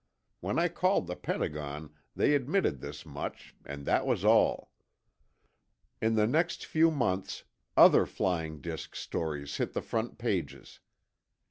When I called the Pentagon, they admitted this much, and that was all. In the next few months, other flying disk stories hit the front pages.